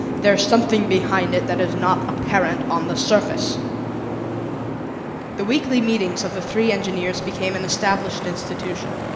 There's something behind it that is not apparent on the surface." The weekly meetings of the three engineers became an established institution.